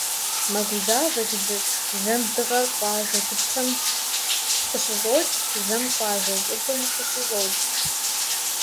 Мэгузавэ жылэр: зэм дыгъэр къуажэ гупэм къыщыщӀокӀ, зэм къуажэ щӀыбым къыщыщӀокӀ.